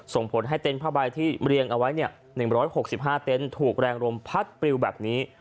ส่งผลให้เต็นต์ผ้าใบที่เรียงเอาไว้๑๖๕เต็นต์ถูกแรงลมพัดปลิวแบบนี้